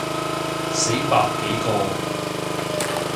死百幾個